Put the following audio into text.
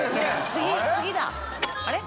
次だあれ？